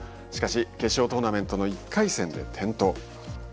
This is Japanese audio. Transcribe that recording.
しかし、決勝トーナメントの１回戦で転倒。